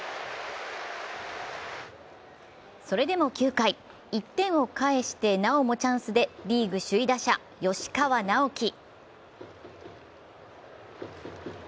それでも９回、１点を返してなおもチャンスでリーグ首位打者・吉川尚輝。